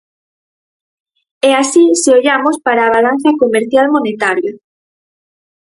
É así se ollamos para a balanza comercial monetaria.